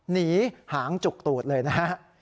หนีหางจุกตูดเลยนะฮะ